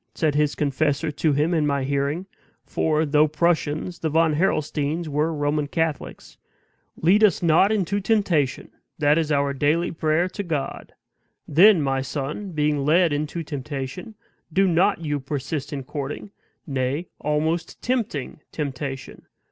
said his confessor to him in my hearing (for, though Prussians, the Von Harrelsteins were Roman Catholics), "lead us not into temptation! that is our daily prayer to God. Then, my son, being led into temptation, do not you persist in courting, nay, almost tempting temptation.